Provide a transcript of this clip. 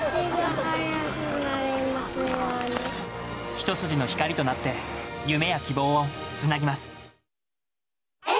一筋の光となって、夢や希望をつなぎます。